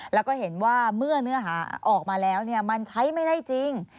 แล้วก็เห็นว่าเมื่อเนื้อหาออกมาแล้วมันใช้ไม่ได้จริง